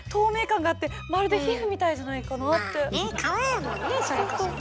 皮やもんねそれこそね。